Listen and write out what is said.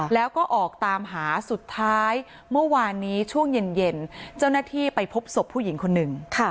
แล้วก็ออกตามหาสุดท้ายเมื่อวานนี้ช่วงเย็นเจ้าหน้าที่ไปพบศพผู้หญิงคนหนึ่ง